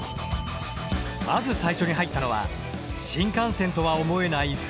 まず最初に入ったのは新幹線とは思えない不思議な部屋。